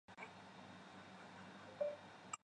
大花独蒜兰为兰科独蒜兰属下的一个种。